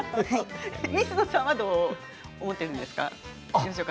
水野さんはどう思っているんですか。